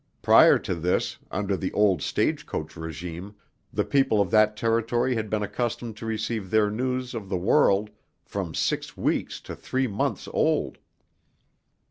Prior to this, under the old stage coach régime, the people of that territory had been accustomed to receive their news of the world from six weeks to three months old.